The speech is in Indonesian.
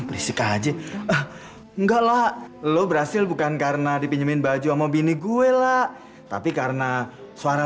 berisika aja enggak lah lo berhasil bukan karena dipinjemin baju sama bini gue lah tapi karena suara